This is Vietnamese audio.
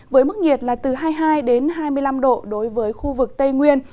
với mức nhiệt là từ hai mươi hai hai mươi năm độ đối với khu vực tây nguyên